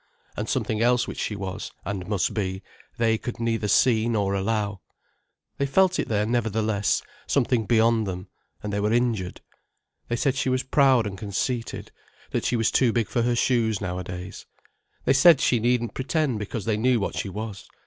And something else which she was, and must be, they could neither see nor allow. They felt it there nevertheless, something beyond them, and they were injured. They said she was proud and conceited, that she was too big for her shoes nowadays. They said, she needn't pretend, because they knew what she was.